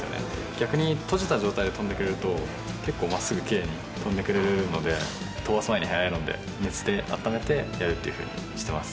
逆に閉じた状態で飛んでくれると結構まっすぐきれいに飛んでくれるので飛ばす前にヘアアイロンで熱で温めてやるというふうにしてます。